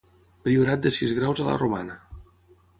Priorat de sis graus a la romana.